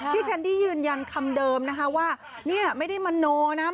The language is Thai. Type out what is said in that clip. พี่แคนดี้ยืนยันคำเดิมนะครับว่านี่ไม่ได้มันนวนะครับ